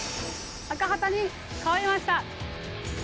赤旗に替わりました！